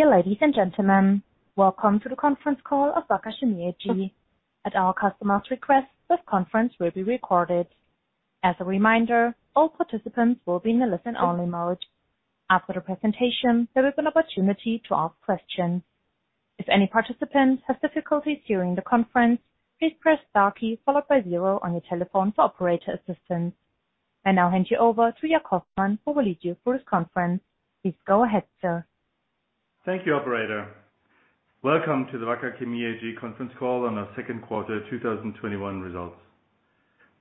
Dear ladies and gentlemen, welcome to the conference call of Wacker Chemie AG. At our customers' request, this conference will be recorded. As a reminder, all participants will be in the listen-only mode. After the presentation, there will be an opportunity to ask questions. If any participants have difficulties during the conference, please press star key followed by zero on your telephone for operator assistance. I now hand you over to Joerg Hoffmann, who will lead you through this conference. Please go ahead, sir. Thank you, Operator. Welcome to the Wacker Chemie AG conference call on our second quarter 2021 results.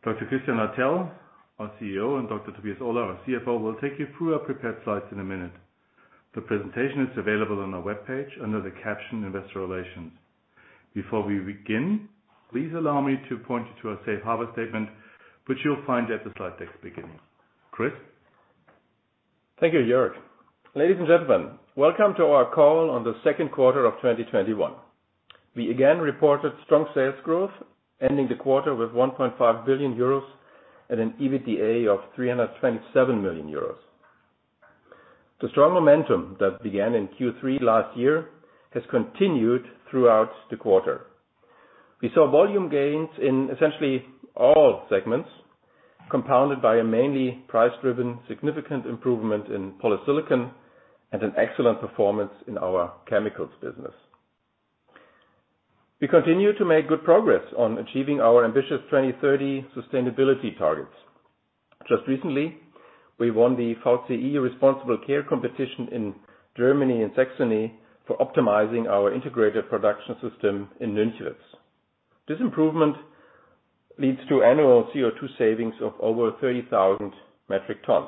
Dr. Christian Hartel, our CEO, and Dr. Tobias Ohler, our CFO, will take you through our prepared slides in a minute. The presentation is available on our webpage under the caption Investor Relations. Before we begin, please allow me to point you to our safe harbor statement, which you'll find at the slide deck's beginning. Chris? Thank you, Joerg. Ladies and gentlemen, welcome to our call on the second quarter of 2021. We again reported strong sales growth, ending the quarter with 1.5 billion euros and an EBITDA of 327 million euros. The strong momentum that began in Q3 last year has continued throughout the quarter. We saw volume gains in essentially all segments, compounded by a mainly price-driven significant improvement in polysilicon and an excellent performance in our chemicals business. We continue to make good progress on achieving our ambitious 2030 sustainability targets. Just recently, we won the VCI Responsible Care Competition in Germany and Saxony for optimizing our integrated production system in Nünchritz. This improvement leads to annual CO2 savings of over 30,000 metric tons.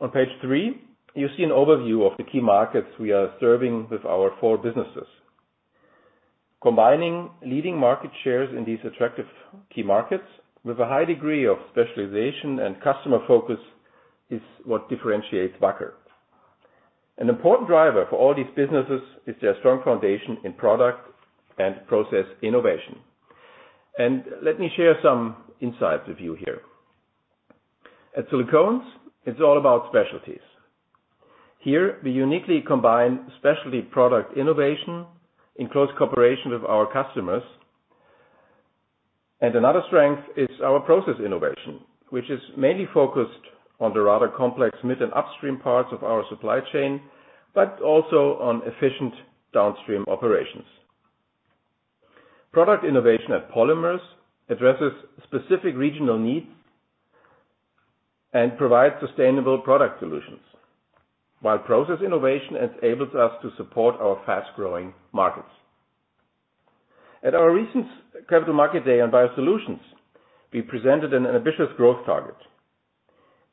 On page three, you see an overview of the key markets we are serving with our four businesses. Combining leading market shares in these attractive key markets with a high degree of specialization and customer focus is what differentiates Wacker. An important driver for all these businesses is their strong foundation in product and process innovation. Let me share some insights with you here. At Silicones, it's all about specialties. Here, we uniquely combine specialty product innovation in close cooperation with our customers. Another strength is our process innovation, which is mainly focused on the rather complex mid and upstream parts of our supply chain, but also on efficient downstream operations. Product innovation at Polymers addresses specific regional needs and provides sustainable product solutions. While process innovation enables us to support our fast-growing markets. At our recent Capital Market Day on Biosolutions, we presented an ambitious growth target.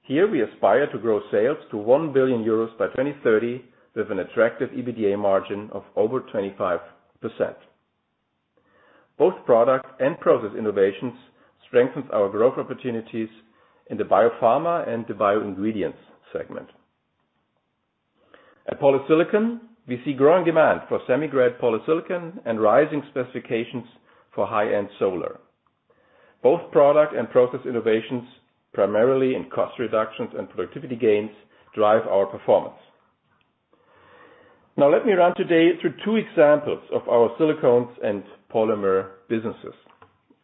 Here we aspire to grow sales to 1 billion euros by 2030 with an attractive EBITDA margin of over 25%. Both product and process innovations strengthens our growth opportunities in the biopharma and the bio ingredients segment. At Polysilicon, we see growing demand for semiconductor-grade polysilicon and rising specifications for high-end solar. Both product and process innovations, primarily in cost reductions and productivity gains, drive our performance. Now, let me run today through two examples of our Silicones and Polymers businesses.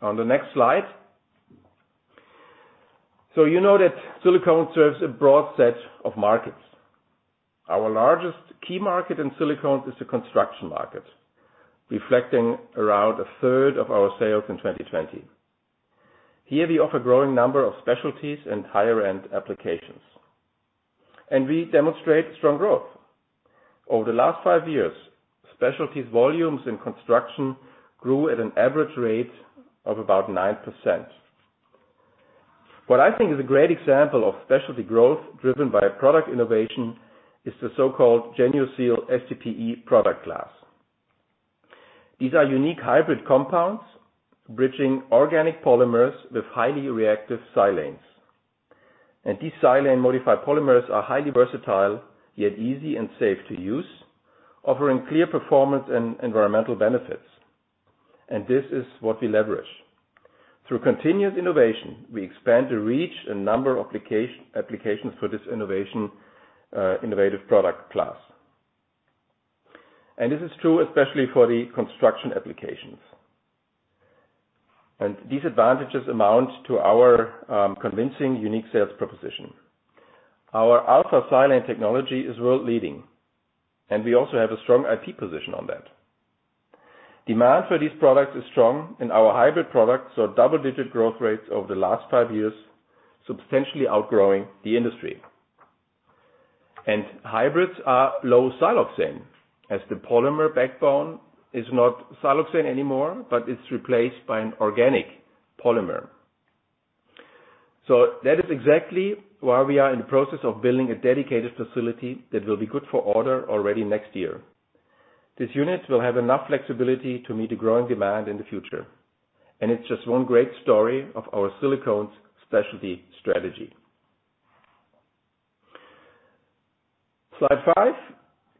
On the next slide. You know that silicone serves a broad set of markets. Our largest key market in silicone is the construction market, reflecting around a third of our sales in 2020. Here we offer a growing number of specialties and higher-end applications, and we demonstrate strong growth. Over the last five years, specialties volumes in construction grew at an average rate of about 9%. What I think is a great example of specialty growth driven by product innovation is the so-called GENIOSIL ST-PE product class. These are unique hybrid compounds bridging organic polymers with highly reactive silanes. These silane-modified polymers are highly versatile, yet easy and safe to use, offering clear performance and environmental benefits. This is what we leverage. Through continuous innovation, we expand the reach and number of applications for this innovative product class. This is true especially for the construction applications. These advantages amount to our convincing unique sales proposition. Our alpha silane technology is world-leading, and we also have a strong IP position on that. Demand for these products is strong, and our hybrid products saw double-digit growth rates over the last five years, substantially outgrowing the industry. Hybrids are low siloxane, as the polymer backbone is not siloxane anymore, but it's replaced by an organic polymer. That is exactly why we are in the process of building a dedicated facility that will be good for order already next year. This unit will have enough flexibility to meet the growing demand in the future, and it's just one great story of our silicones specialty strategy. Slide five.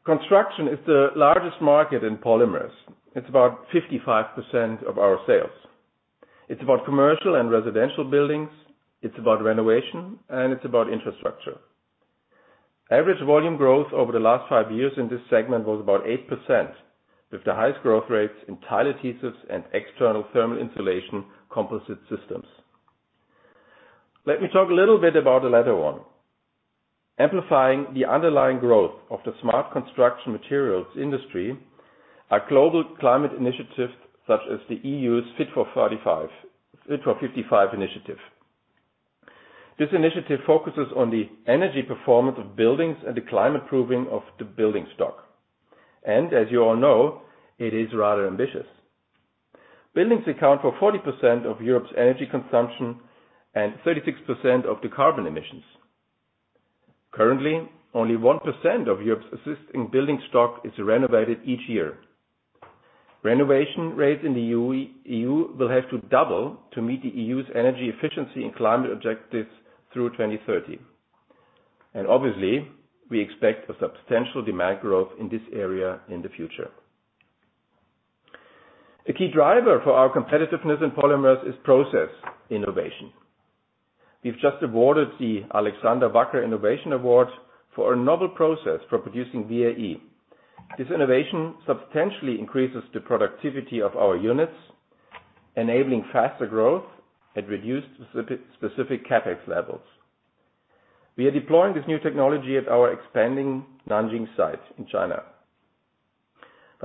Construction is the largest market in Polymers. It's about 55% of our sales. It's about commercial and residential buildings, it's about renovation, and it's about infrastructure. Average volume growth over the last five years in this segment was about 8%, with the highest growth rates in tile adhesives and external thermal insulation composite systems. Let me talk a little bit about the latter one. Amplifying the underlying growth of the smart construction materials industry are global climate initiatives such as the EU's Fit for 55 initiative. This initiative focuses on the energy performance of buildings and the climate-proofing of the building stock, as you all know, it is rather ambitious. Buildings account for 40% of Europe's energy consumption and 36% of the carbon emissions. Currently, only 1% of Europe's existing building stock is renovated each year. Renovation rates in the EU will have to double to meet the EU's energy efficiency and climate objectives through 2030. Obviously, we expect a substantial demand growth in this area in the future. The key driver for our competitiveness in Polymers is process innovation. We've just awarded the Alexander Wacker Innovation Award for a novel process for producing VAE. This innovation substantially increases the productivity of our units, enabling faster growth at reduced specific CapEx levels. We are deploying this new technology at our expanding Nanjing site in China.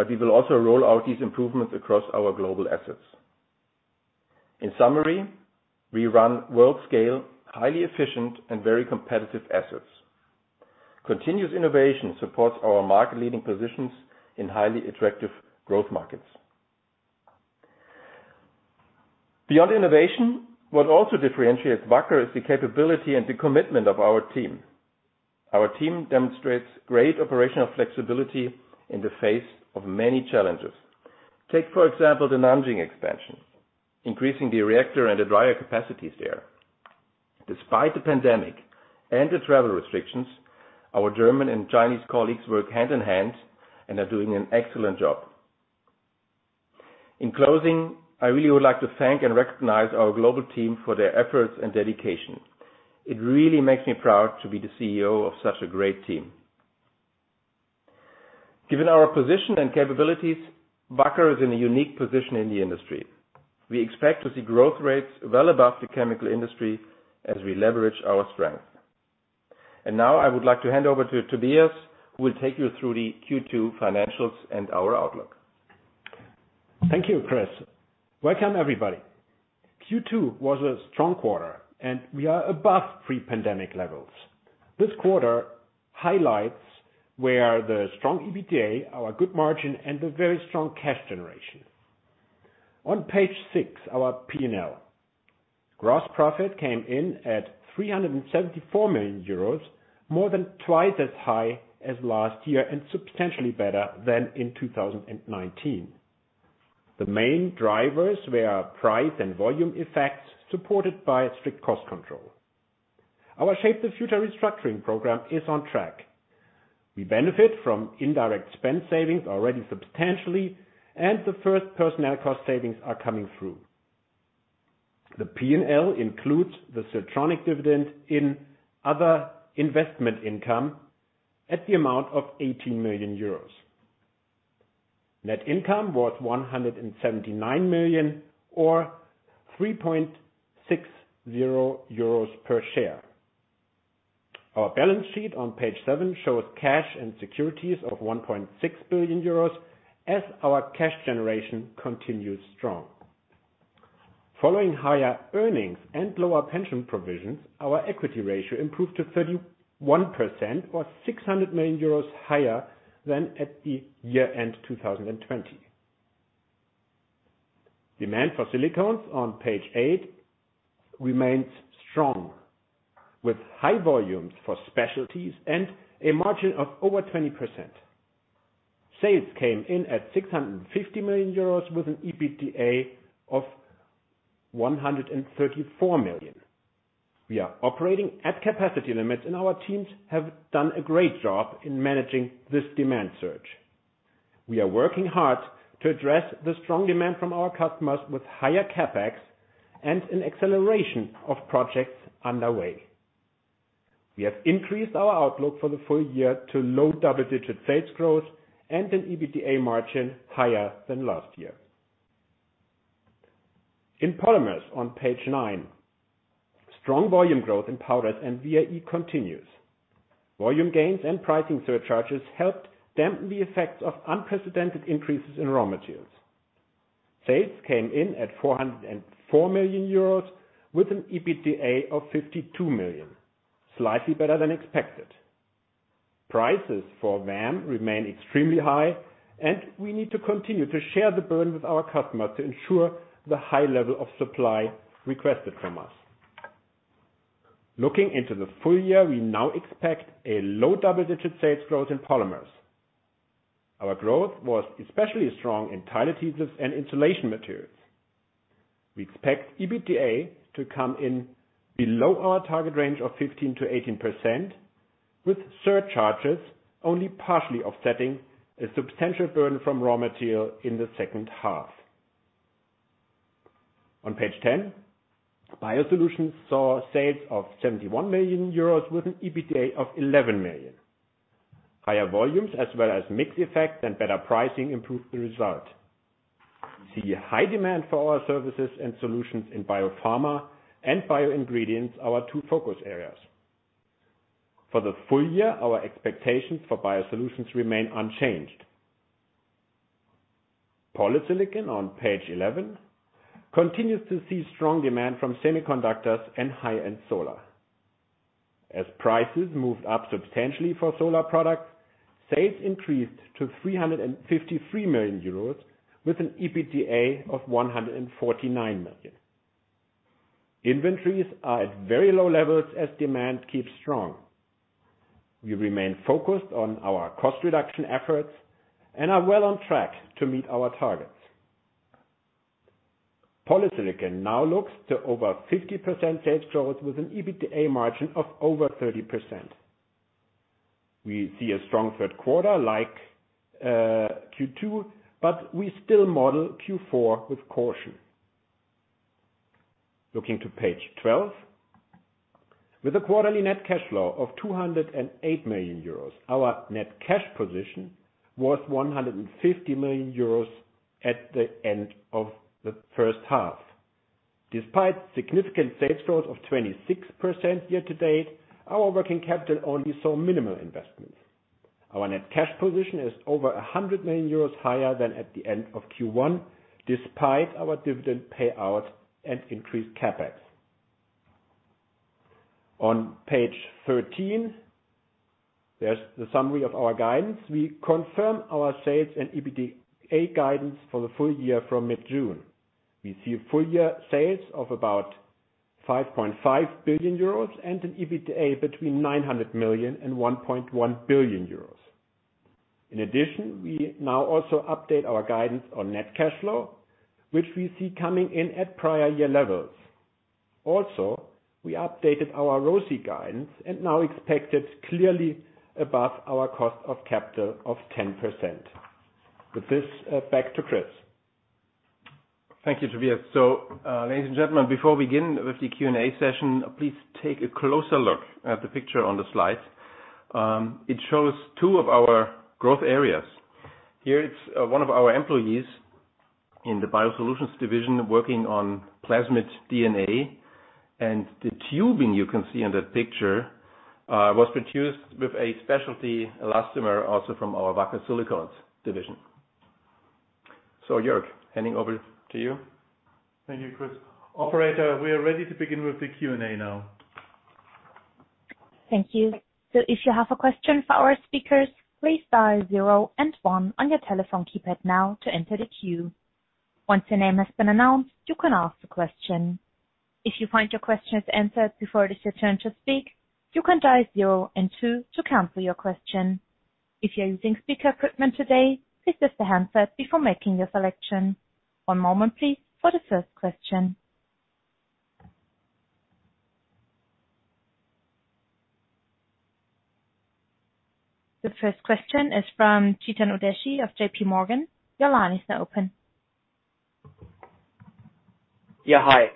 We will also roll out these improvements across our global assets. In summary, we run world-scale, highly efficient, and very competitive assets. Continuous innovation supports our market-leading positions in highly attractive growth markets. Beyond innovation, what also differentiates Wacker is the capability and the commitment of our team. Our team demonstrates great operational flexibility in the face of many challenges. Take, for example, the Nanjing expansion, increasing the reactor and the dryer capacities there. Despite the pandemic and the travel restrictions, our German and Chinese colleagues work hand-in-hand and are doing an excellent job. In closing, I really would like to thank and recognize our global team for their efforts and dedication. It really makes me proud to be the CEO of such a great team. Given our position and capabilities, Wacker is in a unique position in the industry. We expect to see growth rates well above the chemical industry as we leverage our strength. Now I would like to hand over to Tobias, who will take you through the Q2 financials and our outlook. Thank you, Chris. Welcome, everybody. Q2 was a strong quarter. We are above pre-pandemic levels. This quarter highlights where the strong EBITDA, our good margin, and the very strong cash generation. On page six, our P&L. Gross profit came in at 374 million euros, more than twice as high as last year and substantially better than in 2019. The main drivers were price and volume effects, supported by strict cost control. Our Shape the Future restructuring program is on track. We benefit from indirect spend savings already substantially. The first personnel cost savings are coming through. The P&L includes the Siltronic dividend in other investment income at the amount of 18 million euros. Net income was 179 million or 3.60 euros per share. Our balance sheet on page seven shows cash and securities of 1.6 billion euros as our cash generation continues strong. Following higher earnings and lower pension provisions, our equity ratio improved to 31%, or 600 million euros higher than at the year-end 2020. Demand for Silicones on page eight remains strong, with high volumes for specialties and a margin of over 20%. Sales came in at 650 million euros with an EBITDA of 134 million. We are operating at capacity limits, and our teams have done a great job in managing this demand surge. We are working hard to address the strong demand from our customers with higher CapEx and an acceleration of projects underway. We have increased our outlook for the full year to low double-digit sales growth and an EBITDA margin higher than last year. In Polymers on page nine, strong volume growth in powders and VAE continues. Volume gains and pricing surcharges helped dampen the effects of unprecedented increases in raw materials. Sales came in at 404 million euros with an EBITDA of 52 million, slightly better than expected. Prices for VAM remain extremely high, and we need to continue to share the burden with our customers to ensure the high level of supply requested from us. Looking into the full year, we now expect a low double-digit sales growth in Polymers. Our growth was especially strong in tile adhesives and insulation materials. We expect EBITDA to come in below our target range of 15%-18%, with surcharges only partially offsetting a substantial burden from raw material in the second half. On page 10, Biosolutions saw sales of 71 million euros with an EBITDA of 11 million. Higher volumes as well as mix effect and better pricing improved the result. We see high demand for our services and solutions in biopharma and bio ingredients, our two focus areas. For the full year, our expectations for Biosolutions remain unchanged. Polysilicon on page 11 continues to see strong demand from semiconductors and high-end solar. As prices moved up substantially for solar products, sales increased to 353 million euros with an EBITDA of 149 million. Inventories are at very low levels as demand keeps strong. We remain focused on our cost reduction efforts and are well on track to meet our targets. Polysilicon now looks to over 50% sales growth with an EBITDA margin of over 30%. We see a strong third quarter like Q2, but we still model Q4 with caution. Looking to page 12. With a quarterly net cash flow of 208 million euros, our net cash position was 150 million euros at the end of the first half. Despite significant sales growth of 26% year-to-date, our working capital only saw minimal investments. Our net cash position is over 100 million euros higher than at the end of Q1, despite our dividend payout and increased CapEx. On page 13, there's the summary of our guidance. We confirm our sales and EBITDA guidance for the full year from mid-June. We see full year sales of about 5.5 billion euros and an EBITDA between 900 million and 1.1 billion euros. In addition, we now also update our guidance on net cash flow, which we see coming in at prior year levels. Also, we updated our ROCE guidance and now expect it clearly above our cost of capital of 10%. With this, back to Chris. Thank you, Tobias. Ladies and gentlemen, before we begin with the Q&A session, please take a closer look at the picture on the slide. It shows two of our growth areas. Here it's one of our employees in the Biosolutions division working on plasmid DNA, and the tubing you can see in that picture was produced with a silicone elastomer, also from our Wacker Silicones division. Joerg, handing over to you. Thank you, Chris. Operator, we are ready to begin with the Q&A now. Thank you. So if you have a question for our speakers, please dial zero and one on your telephone keypad now to enter the queue. Once your name has been announced, you can ask the question. If you find your question is answered before it is your turn to speak, you can dial zero and two to count for your question. If you're using speaker equipment today, please raise your hand first before making your selection. One moment, please, for the first question. The first question is from Chetan Udeshi of JPMorgan. Your line is now open. Yeah. Hi.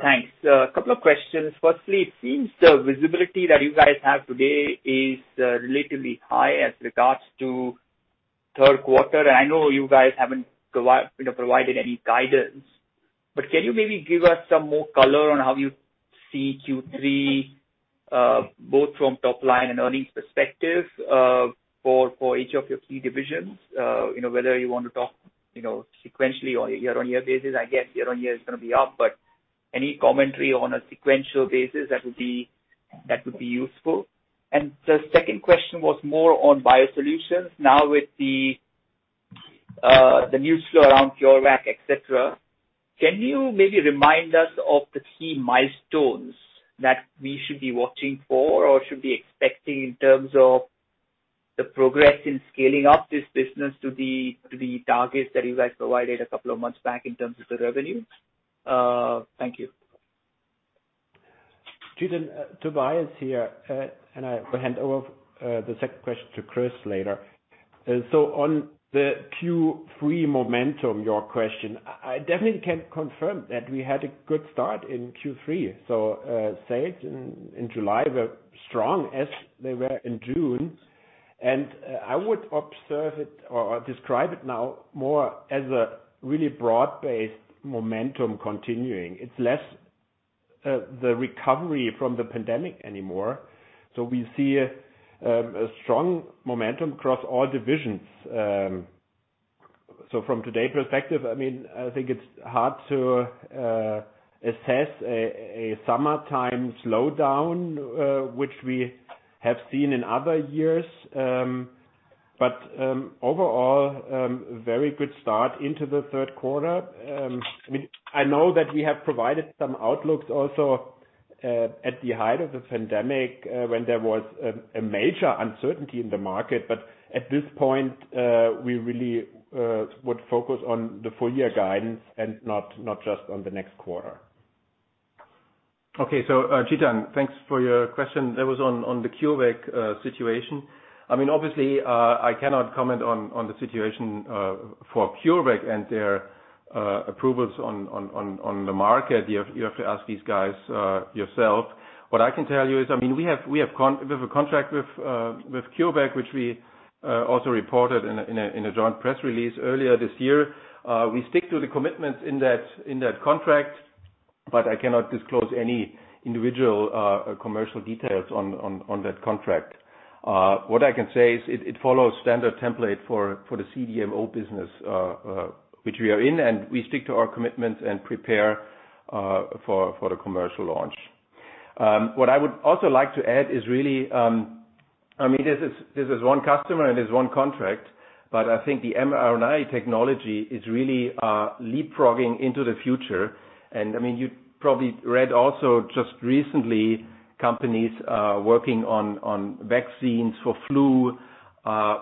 Thanks. A couple of questions. Firstly, it seems the visibility that you guys have today is relatively high as regards to third quarter. I know you guys haven't provided any guidance, but can you maybe give us some more color on how you see Q3, both from top line and earnings perspective, for each of your key divisions? Whether you want to talk sequentially or year-on-year basis. I guess year-on-year is going to be up, but any commentary on a sequential basis that would be useful. The second question was more on biosolutions. With the news flow around CureVac, et cetera, can you maybe remind us of the key milestones that we should be watching for or should be expecting in terms of the progress in scaling up this business to the targets that you guys provided a couple of months back in terms of the revenue? Thank you. Chetan, Tobias here, and I will hand over the second question to Chris later. On the Q3 momentum, your question, I definitely can confirm that we had a good start in Q3. Sales in July were strong as they were in June, and I would observe it or describe it now more as a really broad-based momentum continuing. It's less the recovery from the pandemic anymore. We see a strong momentum across all divisions. From today perspective, I think it's hard to assess a summertime slowdown, which we have seen in other years. Overall, very good start into the third quarter. I know that we have provided some outlooks also at the height of the pandemic, when there was a major uncertainty in the market, at this point, we really would focus on the full year guidance and not just on the next quarter. Okay. Chetan, thanks for your question. That was on the CureVac situation. Obviously, I cannot comment on the situation for CureVac and their approvals on the market. You have to ask these guys yourself. What I can tell you is, we have a contract with CureVac, which we also reported in a joint press release earlier this year. We stick to the commitments in that contract. I cannot disclose any individual commercial details on that contract. What I can say is it follows standard template for the CDMO business, which we are in, and we stick to our commitments and prepare for the commercial launch. What I would also like to add is really, this is one customer and it's one contract. I think the mRNA technology is really leapfrogging into the future. You probably read also just recently, companies are working on vaccines for flu,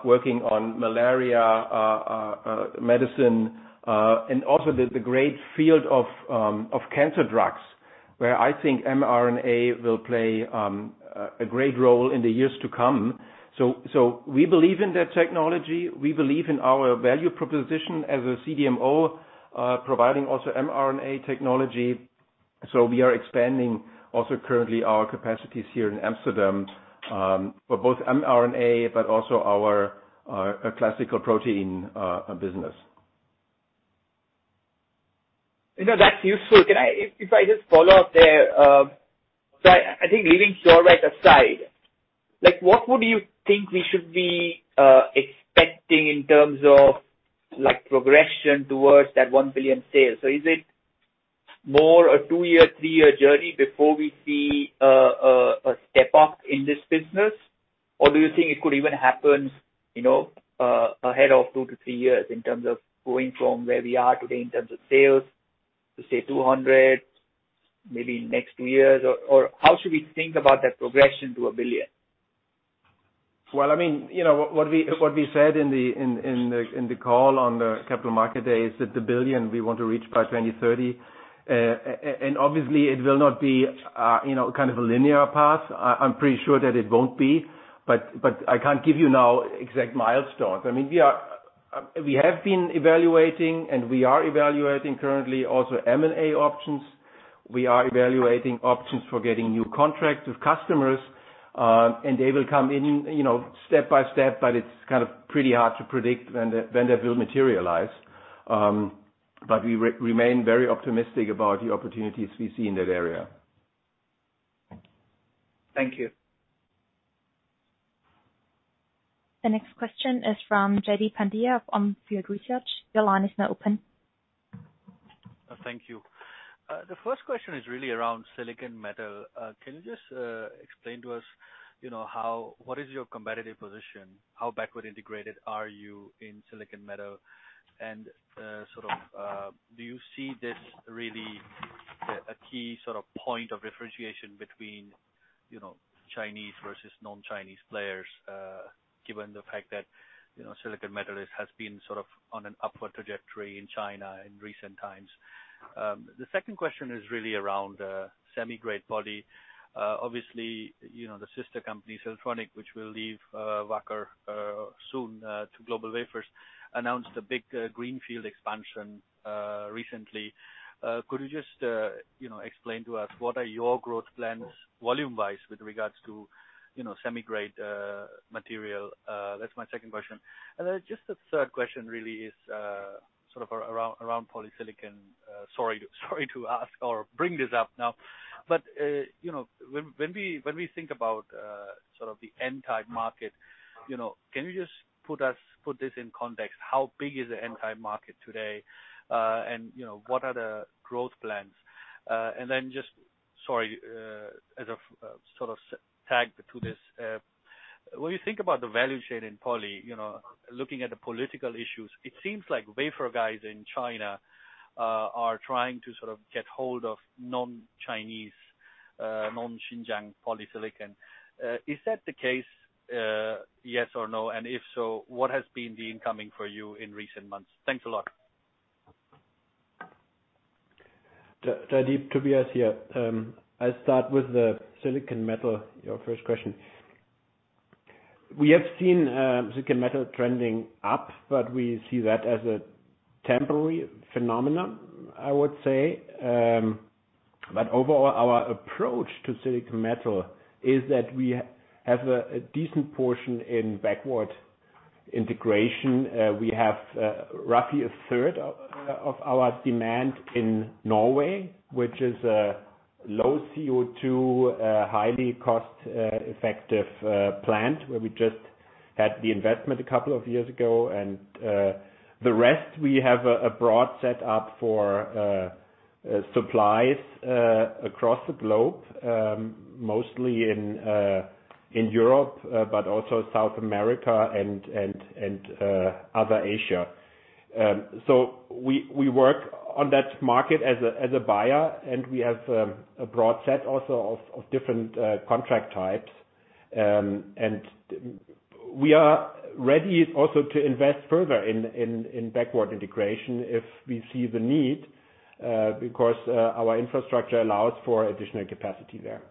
working on malaria medicine, and also the great field of cancer drugs, where I think mRNA will play a great role in the years to come. We believe in that technology. We believe in our value proposition as a CDMO, providing also mRNA technology. We are expanding also currently our capacities here in Amsterdam, for both mRNA but also our classical protein business. That's useful. If I just follow up there, I think leaving CureVac aside, what would you think we should be expecting in terms of progression towards that 1 billion sales? Is it more a two-year, three-year journey before we see a step up in this business? Do you think it could even happen ahead of two to three years in terms of going from where we are today in terms of sales to, say, 200 maybe next two years? How should we think about that progression to 1 billion? Well, what we said in the call on the Capital Market Day is that the 1 billion we want to reach by 2030. Obviously it will not be kind of a linear path. I'm pretty sure that it won't be, but I can't give you now exact milestones. We have been evaluating and we are evaluating currently also M&A options. We are evaluating options for getting new contracts with customers, and they will come in step-by-step, but it's kind of pretty hard to predict when that will materialize. We remain very optimistic about the opportunities we see in that area. Thank you. The next question is from Jaideep Pandya of On Field Research. Your line is now open. Thank you. The first question is really around silicon metal. Can you just explain to us what is your competitive position? How backward integrated are you in silicon metal? Do you see this really a key point of differentiation between Chinese versus non-Chinese players, given the fact that silicon metal has been sort of on an upward trajectory in China in recent times? The second question is really around semi-grade poly. Obviously, the sister company, Siltronic, which will leave Wacker soon to GlobalWafers, announced a big greenfield expansion recently. Could you just explain to us what are your growth plans volume-wise with regards to semi-grade material? That's my second question. Then just the third question really is sort of around polysilicon. Sorry to ask or bring this up now, but when we think about the N-type market, can you just put this in context? How big is the N-type market today? What are the growth plans? Just, sorry, as a sort of tag to this, when you think about the value chain in poly, looking at the political issues, it seems like wafer guys in China are trying to sort of get hold of non-Chinese, non-Xinjiang polysilicon. Is that the case? Yes or no? If so, what has been the incoming for you in recent months? Thanks a lot. Jaideep, Tobias here. I start with the silicon metal, your first question. We have seen silicon metal trending up, but we see that as a temporary phenomenon, I would say. Overall, our approach to silicon metal is that we have a decent portion in backward integration. We have roughly a third of our demand in Norway, which is a low CO2, highly cost-effective plant where we just had the investment a couple of years ago. The rest, we have a broad set up for supplies across the globe, mostly in Europe, but also South America and other Asia. We work on that market as a buyer, and we have a broad set also of different contract types. We are ready also to invest further in backward integration if we see the need, because our infrastructure allows for additional capacity there.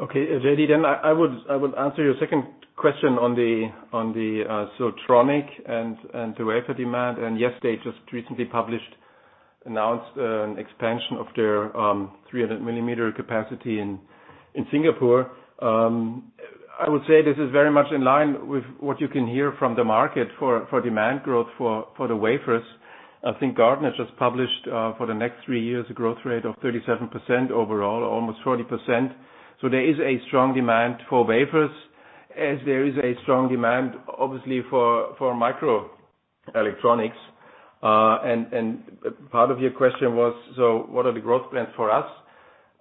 Okay, JD, I would answer your second question on the Siltronic and the wafer demand. Yes, they just recently published, announced an expansion of their 300 mm capacity in Singapore. I would say this is very much in line with what you can hear from the market for demand growth for the wafers. I think Gartner just published, for the next three years, a growth rate of 37% overall, almost 40%. There is a strong demand for wafers as there is a strong demand, obviously, for microelectronics. Part of your question was, so what are the growth plans for us?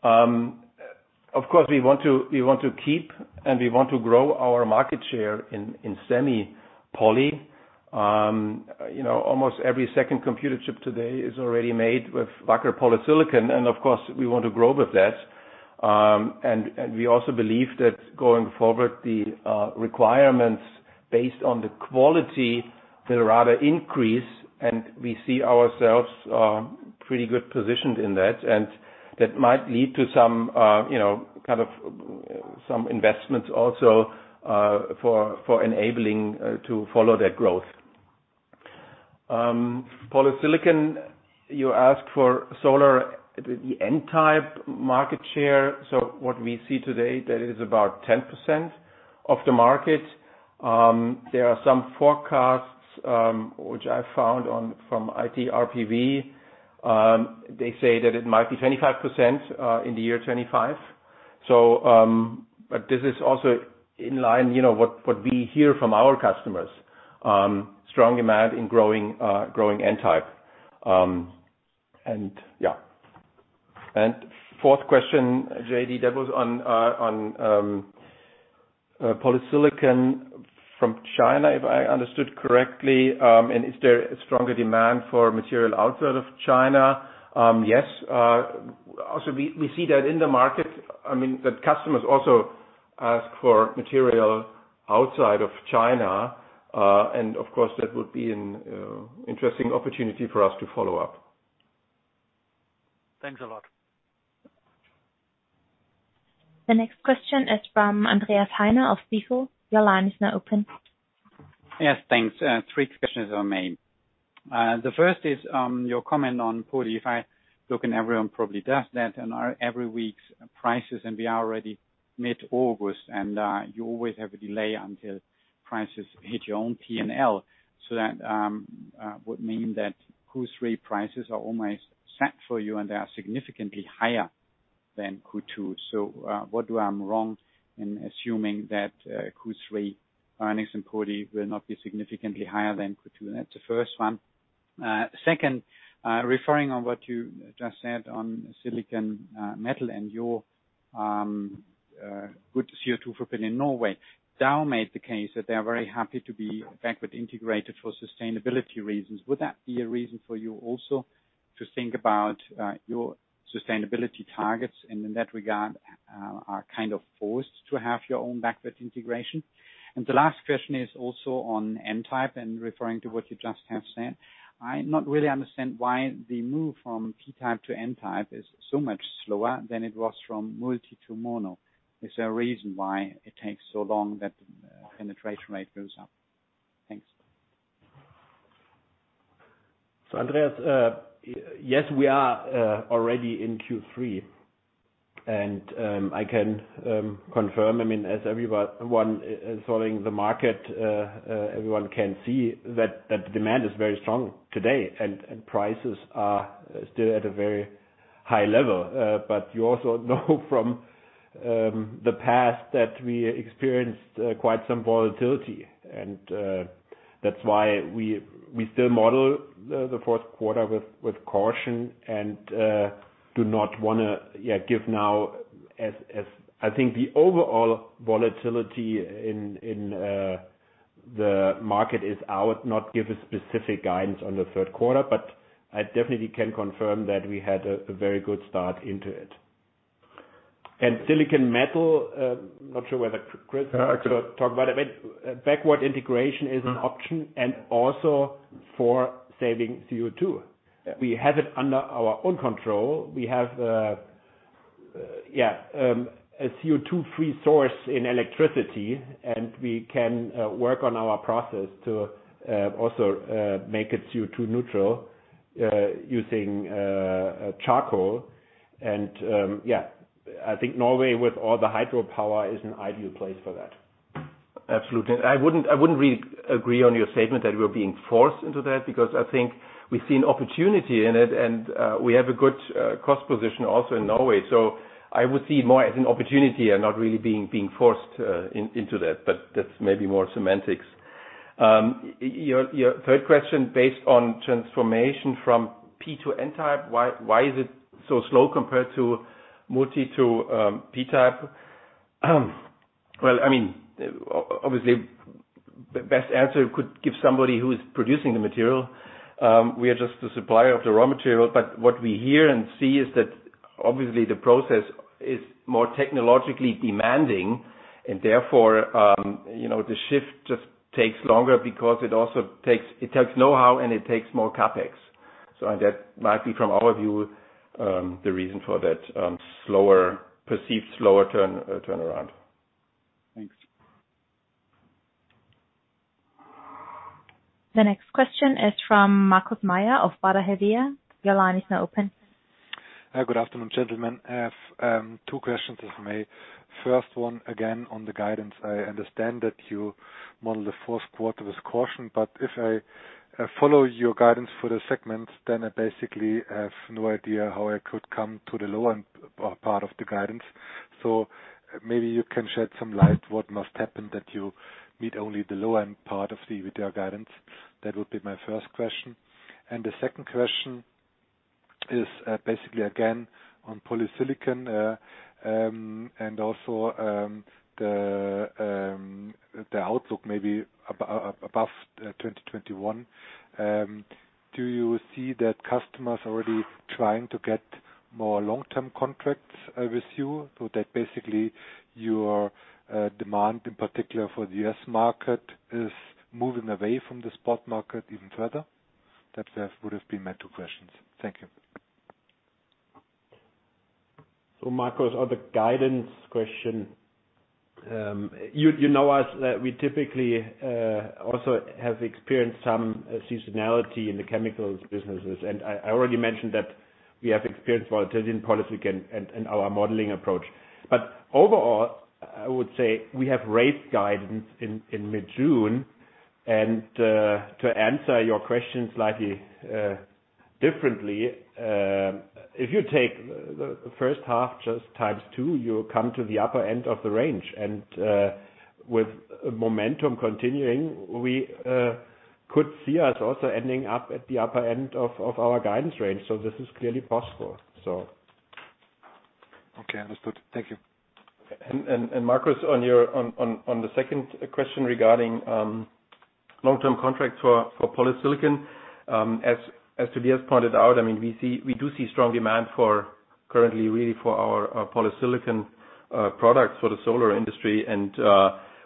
Of course, we want to keep and we want to grow our market share in semi poly. Almost every second computer chip today is already made with Wacker Polysilicon, and of course, we want to grow with that. We also believe that going forward, the requirements based on the quality will rather increase, and we see ourselves pretty good positioned in that, and that might lead to some investments also, for enabling to follow that growth. polysilicon, you asked for solar, the N-type market share. What we see today, that it is about 10% of the market. There are some forecasts, which I found from ITRPV. They say that it might be 25% in the year 2025. This is also in line, what we hear from our customers, strong demand in growing N-type. Fourth question, JD, that was on polysilicon from China, if I understood correctly. Is there a stronger demand for material outside of China? Yes. Also, we see that in the market, the customers also ask for material outside of China. Of course, that would be an interesting opportunity for us to follow up. Thanks a lot. The next question is from Andreas Heine of Stifel. Your line is now open. Yes, thanks. Three questions on main. The first is your comment on poly. I look, and everyone probably does that, on our every week's prices, and we are already mid-August, and you always have a delay until prices hit your own P&L. That would mean that Q3 prices are almost set for you, and they are significantly higher than Q2. I wonder I'm wrong in assuming that Q3 earnings in poly will not be significantly higher than Q2. That's the first one. Second, referring on what you just said on silicon metal and your good CO2 footprint in Norway. Dow made the case that they are very happy to be backward integrated for sustainability reasons. Would that be a reason for you also to think about your sustainability targets, and in that regard, are kind of forced to have your own backward integration? The last question is also on N-type and referring to what you just have said. I not really understand why the move from P-type to N-type is so much slower than it was from multi to mono. Is there a reason why it takes so long that penetration rate goes up? Thanks. Andreas, yes, we are already in Q3. I can confirm, as everyone following the market, everyone can see that the demand is very strong today and prices are still at a very high level. You also know from the past that we experienced quite some volatility. That's why we still model the fourth quarter with caution and do not want to give now as I think the overall volatility in the market is out, not give a specific guidance on the third quarter, but I definitely can confirm that we had a very good start into it. Silicon metal, not sure whether Chris could talk about it, but backward integration is an option and also for saving CO2. We have it under our own control. We have a CO2 free source in electricity, we can work on our process to also make it CO2 neutral, using charcoal. Yeah, I think Norway with all the hydropower is an ideal place for that. Absolutely. I wouldn't really agree on your statement that we're being forced into that, because I think we see an opportunity in it and we have a good cost position also in Norway. I would see more as an opportunity and not really being forced into that, but that's maybe more semantics. Your third question, based on transformation from P-type to N-type. Why is it so slow compared to multi to P-type? Obviously, the best answer could give somebody who is producing the material. We are just the supplier of the raw material. What we hear and see is that obviously the process is more technologically demanding and therefore, the shift just takes longer because it also takes know-how and it takes more CapEx. That might be, from our view, the reason for that perceived slower turnaround. Thanks. The next question is from Markus Mayer of Baader Helvea. Good afternoon, gentlemen. I have two questions, if I may. First one, again, on the guidance. I understand that you model the first quarter with caution, but if I follow your guidance for the segment, then I basically have no idea how I could come to the lower part of the guidance. Maybe you can shed some light what must happen that you meet only the lower part of the EBITDA guidance. That would be my first question. The second question is basically again on polysilicon, and also the outlook maybe above 2021. Do you see that customers are already trying to get more long-term contracts with you, so that basically your demand, in particular for the U.S. market, is moving away from the spot market even further? That would have been my two questions. Thank you. Markus, on the guidance question. You know us, that we typically also have experienced some seasonality in the chemicals businesses. I already mentioned that we have experienced volatility in policy and our modeling approach. Overall, I would say we have raised guidance in mid-June. To answer your question slightly differently, if you take the first half just times two, you come to the upper end of the range. With momentum continuing, we could see us also ending up at the upper end of our guidance range. This is clearly possible. Okay, understood. Thank you. Markus, on the second question regarding long-term contracts for polysilicon. As Tobias pointed out, we do see strong demand currently really for our polysilicon products for the solar industry.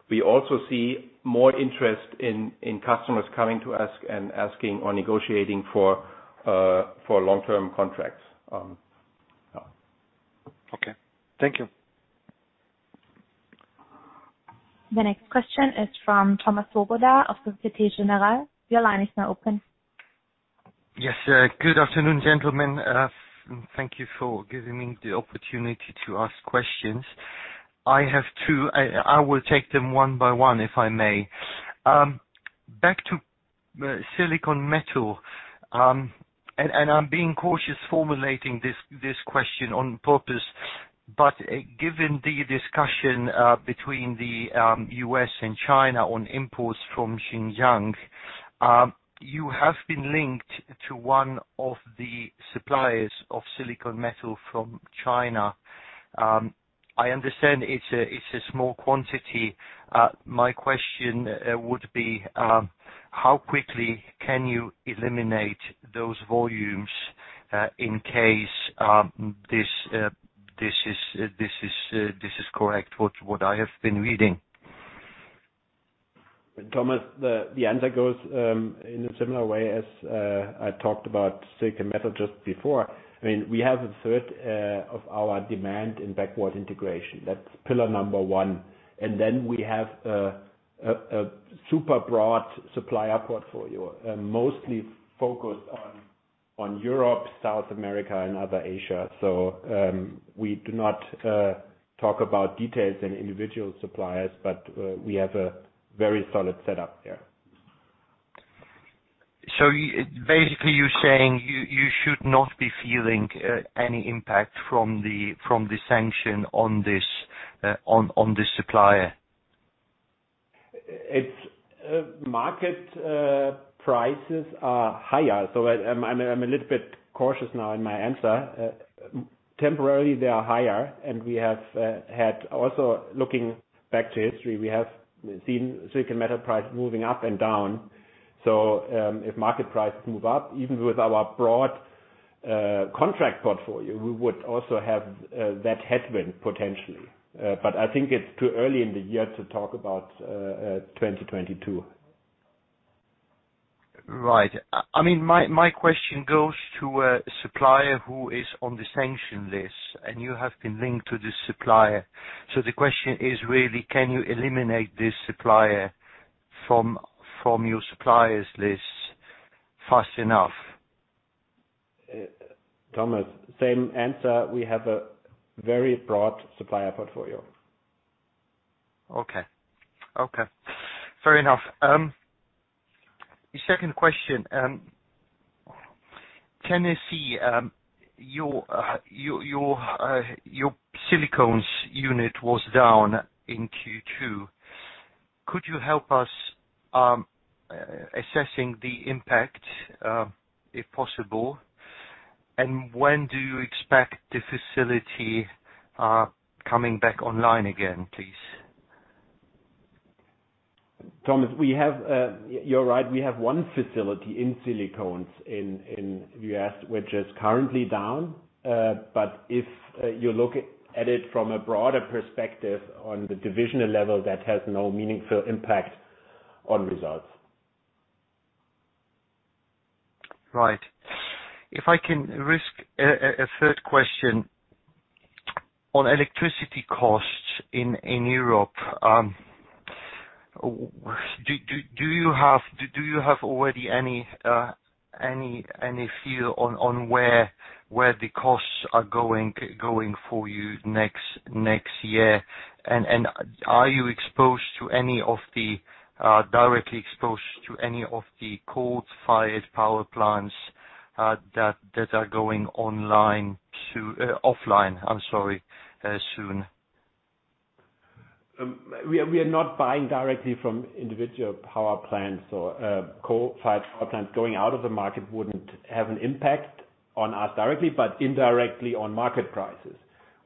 We also see more interest in customers coming to us and asking or negotiating for long-term contracts. Okay. Thank you. The next question is from Thomas Swoboda of Societe Generale. Your line is now open. Yes, good afternoon, gentlemen. Thank Thank you for giving me the opportunity to ask questions. I have two. I will take them one by one, if I may. Back to silicon metal, I'm being cautious formulating this question on purpose. Given the discussion between the U.S. and China on imports from Xinjiang, you have been linked to one of the suppliers of silicon metal from China. I understand it's a small quantity. My question would be, how quickly can you eliminate those volumes, in case this is correct, what I have been reading? Thomas, the answer goes in a similar way as I talked about silicon metal just before. We have a third of our demand in backward integration. That's pillar number one. We have a super broad supplier portfolio, mostly focused on Europe, South America and other Asia. We do not talk about details and individual suppliers, but we have a very solid setup there. Basically, you're saying you should not be feeling any impact from the sanction on this supplier? Market prices are higher. I'm a little bit cautious now in my answer. Temporarily, they are higher, and also looking back to history, we have seen silicon metal price moving up and down. If market prices move up, even with our broad contract portfolio, we would also have that headwind potentially. I think it's too early in the year to talk about 2022. Right. My question goes to a supplier who is on the sanction list, and you have been linked to this supplier. The question is really, can you eliminate this supplier from your suppliers list fast enough? Thomas, same answer. We have a very broad supplier portfolio. Okay. Fair enough. Second question. Tennessee, your Silicones unit was down in Q2. Could you help us assessing the impact, if possible? When do you expect the facility coming back online again, please? Thomas, you're right. We have one facility in Silicones in the U.S. which is currently down. If you look at it from a broader perspective on the divisional level, that has no meaningful impact on results. Right. If I can risk a third question on electricity costs in Europe. Do you have already any feel on where the costs are going for you next year? Are you directly exposed to any of the coal-fired power plants that are going offline soon? We are not buying directly from individual power plants or coal-fired power plants. Going out of the market wouldn't have an impact on us directly, but indirectly on market prices.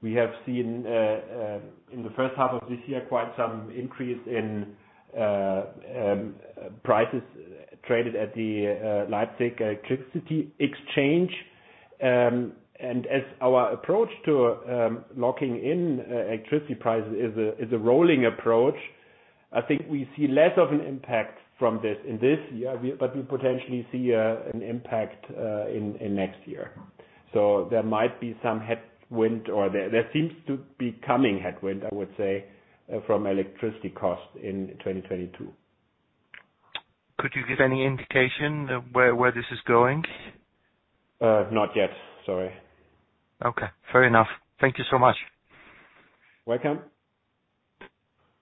We have seen, in the first half of this year, quite some increase in prices traded at the European Energy Exchange. As our approach to locking in electricity prices is a rolling approach, I think we see less of an impact from this in this year, but we potentially see an impact in next year. There might be some headwind, or there seems to be coming headwind, I would say, from electricity costs in 2022. Could you give any indication where this is going? Not yet. Sorry. Okay, fair enough. Thank you so much. Welcome.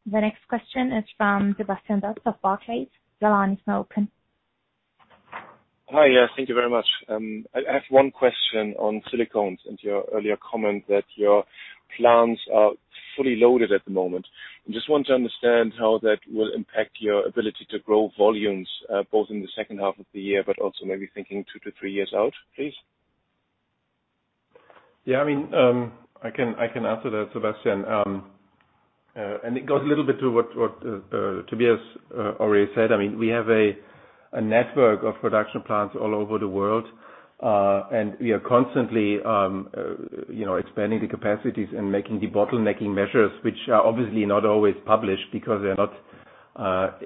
The next question is from Sebastian Bray of Barclays. Your line is now open. Hi. Thank you very much. I have one question on Silicones and your earlier comment that your plants are fully loaded at the moment. I just want to understand how that will impact your ability to grow volumes, both in the second half of the year, but also maybe thinking two years-three years out, please. Yeah, I can answer that, Sebastian. It goes a little bit to what Tobias already said. We have a network of production plants all over the world, and we are constantly expanding the capacities and making debottlenecking measures, which are obviously not always published because they're not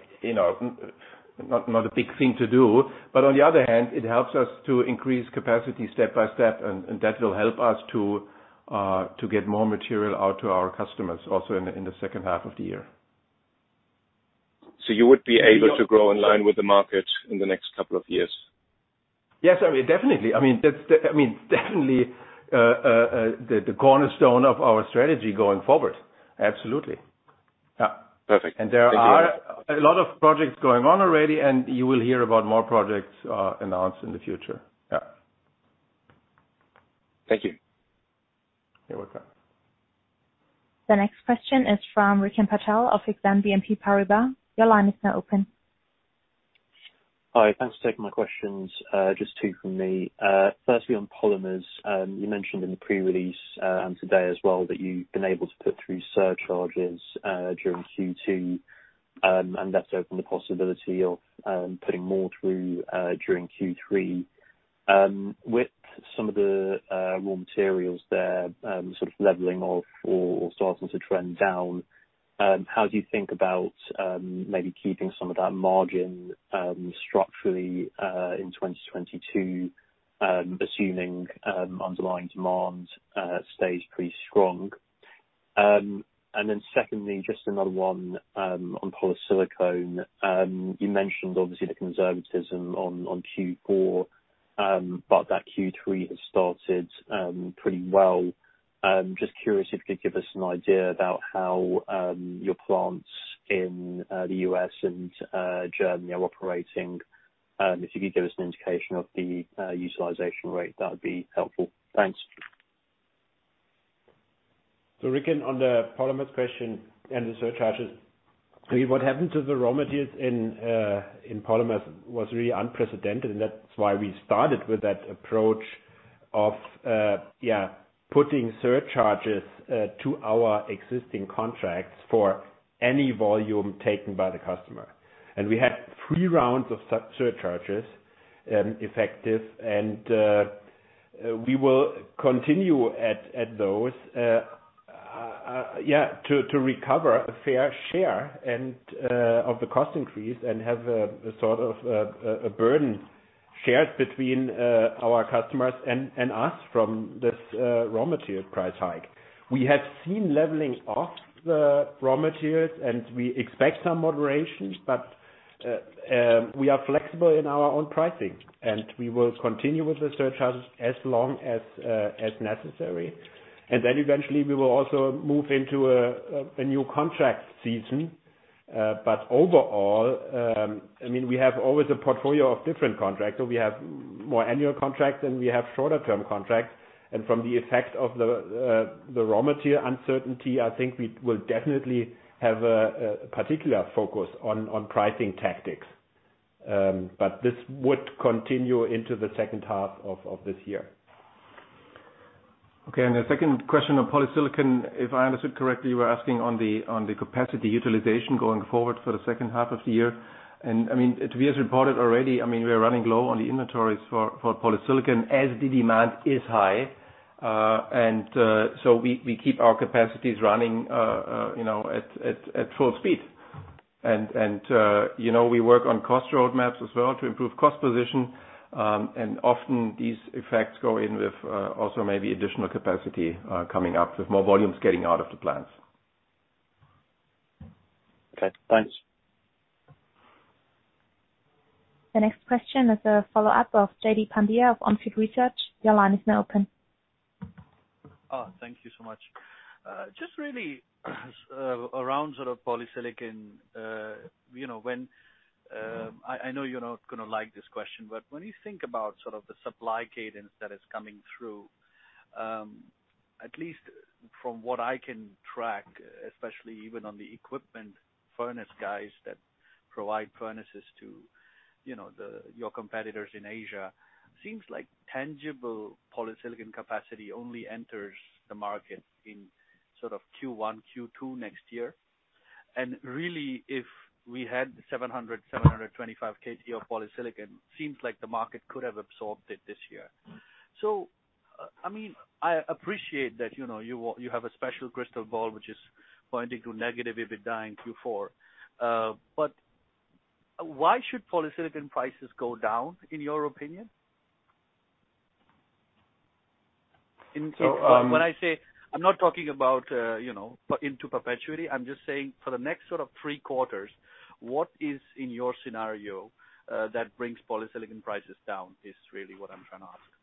a big thing to do. On the other hand, it helps us to increase capacity step-by-step, and that will help us to get more material out to our customers also in the second half of the year. You would be able to grow in line with the market in the next couple of years? Yes, definitely. That's definitely the cornerstone of our strategy going forward. Absolutely. Yeah. Perfect. Thank you. There are a lot of projects going on already, and you will hear about more projects announced in the future. Yeah. Thank you. You're welcome. The next question is from Rikin Patel of Exane BNP Paribas. Your line is now open. Hi, thanks for taking my questions. Just two from me. Firstly, on Polymers. You mentioned in the pre-release, and today as well, that you've been able to put through surcharges during Q2, and that's opened the possibility of putting more through during Q3. With some of the raw materials there sort of leveling off or starting to trend down, how do you think about maybe keeping some of that margin structurally, in 2022, assuming underlying demand stays pretty strong? Secondly, just another one, on Wacker Polysilicon. You mentioned, obviously, the conservatism on Q4, but that Q3 has started pretty well. Just curious if you could give us an idea about how your plants in the U.S. and Germany are operating. If you could give us an indication of the utilization rate, that would be helpful. Thanks. Rikin, on the Polymers question and the surcharges, what happened to the raw materials in Polymers was really unprecedented, and that's why we started with that approach of putting surcharges to our existing contracts for any volume taken by the customer. We had three rounds of such surcharges effective. We will continue at those to recover a fair share of the cost increase and have a sort of a burden shared between our customers and us from this raw material price hike. We have seen leveling of the raw materials, and we expect some moderation, but we are flexible in our own pricing, and we will continue with the surcharges as long as necessary. Eventually, we will also move into a new contract season. Overall, we have always a portfolio of different contracts. We have more annual contracts than we have shorter-term contracts. From the effect of the raw material uncertainty, I think we will definitely have a particular focus on pricing tactics. This would continue into the second half of this year. Okay, the second question on polysilicon, if I understood correctly, you were asking on the capacity utilization going forward for the second half of the year. Tobias reported already, we are running low on the inventories for polysilicon as the demand is high. We keep our capacities running at full speed. We work on cost roadmaps as well to improve cost position. Often these effects go in with also maybe additional capacity coming up with more volumes getting out of the plants. Okay, thanks. The next question is a follow-up of Jaideep Pandya of On Field Research. Your line is now open. Thank you so much. Just really around polysilicon. I know you're not going to like this question. When you think about the supply cadence that is coming through, at least from what I can track, especially even on the equipment furnace guys that provide furnaces to your competitors in Asia, seems like tangible polysilicon capacity only enters the market in Q1, Q2 next year. Really, if we had 700, 725 KT of polysilicon, seems like the market could have absorbed it this year. I appreciate that you have a special crystal ball which is pointing to negative EBITDA in Q4. Why should polysilicon prices go down, in your opinion? So- When I say, I'm not talking about into perpetuity, I'm just saying for the next three quarters, what is in your scenario that brings polysilicon prices down, is really what I'm trying to ask.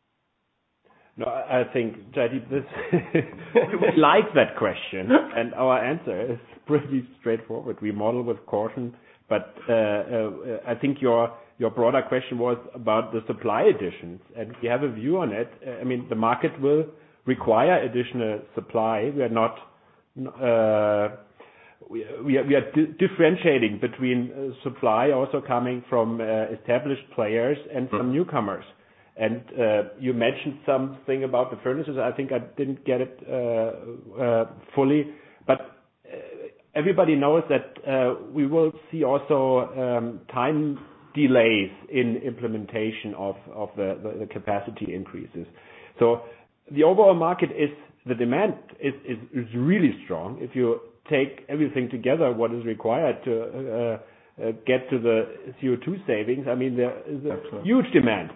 No, I think, Jaideep, we like that question. Our answer is pretty straightforward. I think your broader question was about the supply additions, and we have a view on it. The market will require additional supply. We are differentiating between supply also coming from established players and from newcomers. You mentioned something about the furnaces. I think I didn't get it fully, but everybody knows that we will see also time delays in implementation of the capacity increases. The demand is really strong. If you take everything together, what is required to get to the CO2 savings, there is a huge demand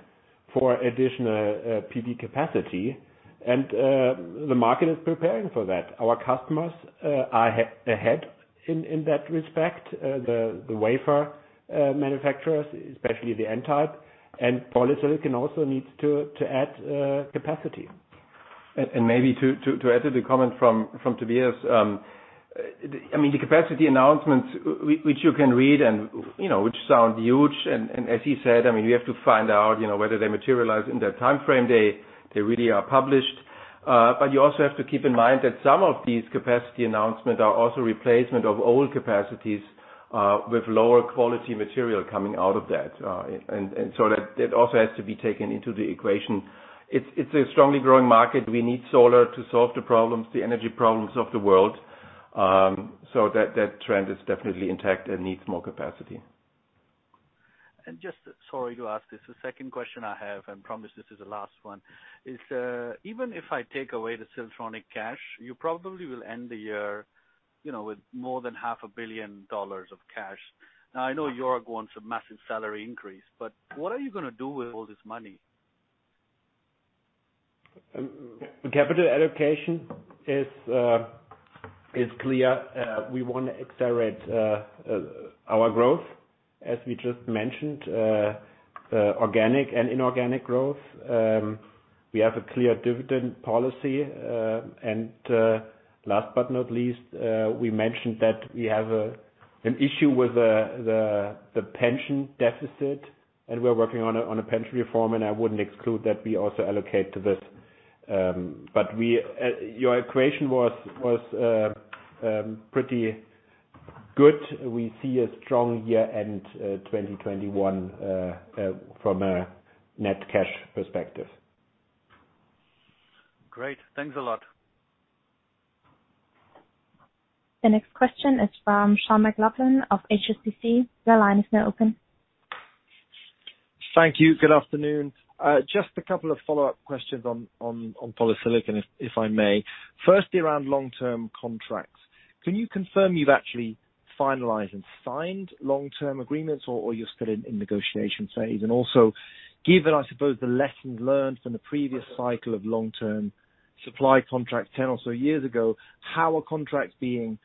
for additional PV capacity. The market is preparing for that. Our customers are ahead in that respect. The wafer manufacturers, especially the N-type and polysilicon also needs to add capacity. Maybe to add to the comment from Tobias. The capacity announcements, which you can read and which sound huge, and as he said, we have to find out whether they materialize in the timeframe they really are published. You also have to keep in mind that some of these capacity announcements are also replacement of old capacities, with lower quality material coming out of that. That also has to be taken into the equation. It's a strongly growing market. We need solar to solve the energy problems of the world. That trend is definitely intact and needs more capacity. Just, sorry to ask this, the second question I have, and promise this is the last one is, even if I take away the Siltronic cash, you probably will end the year with more than half a billion dollars of cash. I know Joerg wants a massive salary increase, what are you going to do with all this money? The capital allocation is clear. We want to accelerate our growth, as we just mentioned, organic and inorganic growth. We have a clear dividend policy. Last but not least, we mentioned that we have an issue with the pension deficit, and we're working on a pension reform, and I wouldn't exclude that we also allocate to this. Your equation was pretty good. We see a strong year-end 2021, from a net cash perspective. Great. Thanks a lot. The next question is from Sean McLoughlin of HSBC. Your line is now open. Thank you. Good afternoon. Just a couple of follow-up questions on polysilicon, if I may. Firstly, around long-term contracts. Can you confirm you've actually finalized and signed long-term agreements or you're still in negotiation phase? Also given, I suppose, the lessons learned from the previous cycle of long-term supply contracts 10 or so years ago, how are contracts being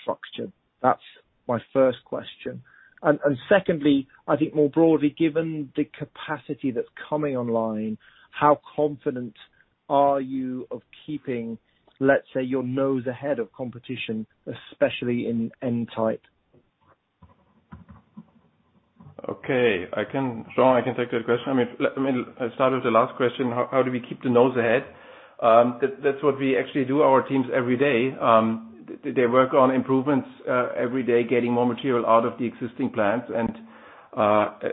structured? That's my first question. Secondly, I think more broadly, given the capacity that's coming online, how confident are you of keeping, let's say, your nose ahead of competition, especially in N-type? Okay. Sean, I can take that question. I start with the last question. How do we keep the nose ahead? That's what we actually do, our teams every day. They work on improvements every day, getting more material out of the existing plants and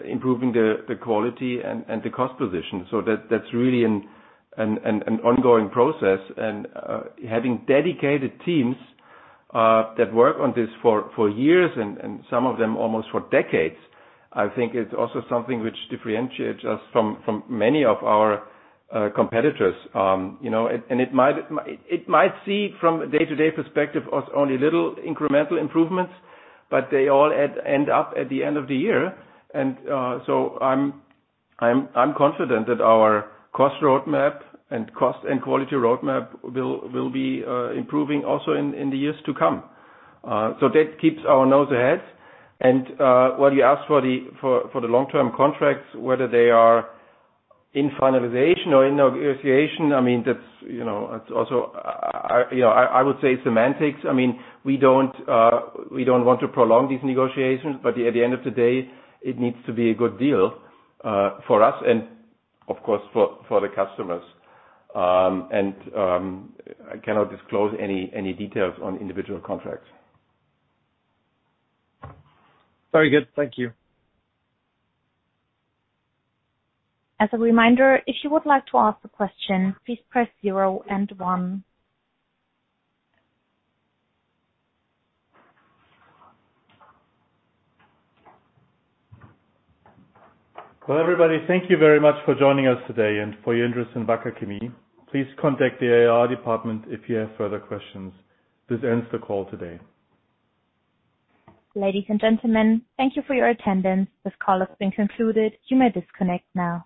improving the quality and the cost position. That's really an ongoing process. Having dedicated teams that work on this for years, and some of them almost for decades, I think is also something which differentiates us from many of our competitors. It might seem from a day-to-day perspective as only little incremental improvements, but they all end up at the end of the year. I'm confident that our cost roadmap and cost and quality roadmap will be improving also in the years to come. That keeps our nose ahead. When you ask for the long-term contracts, whether they are in finalization or in negotiation, that's also, I would say, semantics. We don't want to prolong these negotiations, but at the end of the day, it needs to be a good deal for us and, of course, for the customers. I cannot disclose any details on individual contracts. Very good. Thank you. As a reminder, if you would like to ask a question, please press zero and one. Well, everybody, thank you very much for joining us today and for your interest in Wacker Chemie. Please contact the IR department if you have further questions. This ends the call today. Ladies and gentlemen, thank you for your attendance. This call has been concluded. You may disconnect now.